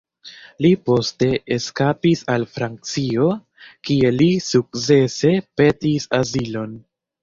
Li poste eskapis al Francio, kie li sukcese petis azilon.